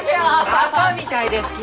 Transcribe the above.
バカみたいですき！